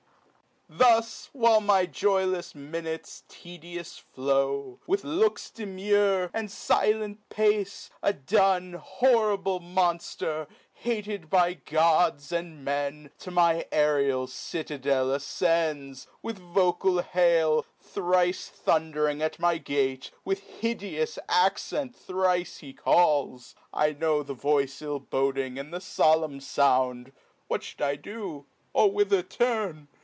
Thus, while my joylefs minutes tedious flow, With looks demure, and filent pace, a Dun, Horrible monfter ! hated by gods and men, To my aerial citadel afcends, With vocal hael thrice thund'ring at my gate, With hideous accent thrice he calls ; I know The voice ill boding and the folemn found. What fhou'd I do ? or whither turn